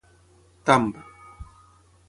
Tamb